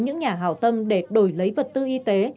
những nhà hào tâm để đổi lấy vật tư y tế